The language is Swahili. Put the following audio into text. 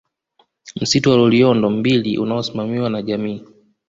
Msitu wa Loliondo mbili unaosimamiwa na jamii